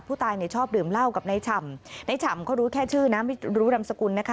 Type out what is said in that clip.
ผู้ตายเนี่ยชอบดื่มเหล้ากับนายฉ่ำในฉ่ำเขารู้แค่ชื่อนะไม่รู้นามสกุลนะคะ